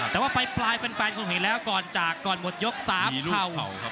แต่ว่าปลายแฟนคงเห็นแล้วก่อนจากก่อนหมดยก๓เข่า